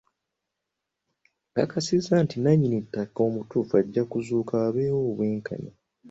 Akakasa nti nnanyini ttaka omutuufu ajja kuzuuka wabeewo obwenkanya.